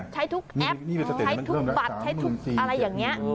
ใช้ทุกแอปใช้ทุกบัตรใช้ทุกอะไรอย่างนี้